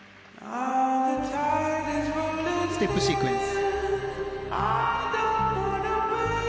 ステップシークエンス。